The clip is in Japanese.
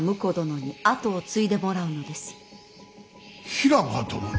平賀殿に。